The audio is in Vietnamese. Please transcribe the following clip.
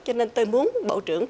cho nên tôi muốn bộ trưởng